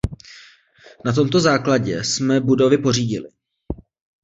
Na tomto základě jsme budovy pořídili.